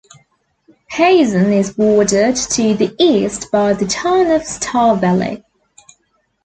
Payson is bordered to the east by the town of Star Valley.